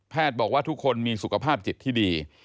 บอกว่าทุกคนมีสุขภาพจิตที่ดี